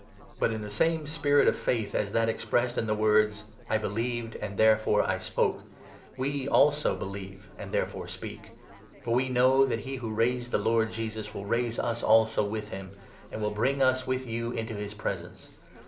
But, in the same spirit of faith as 13 that expressed in the words —' I believed, and therefore I spoke,' we, also, believe, and therefore speak. For we know that he 14 who raised the Lord Jesus will raise us also with him, and will bring us, with you, into his presence.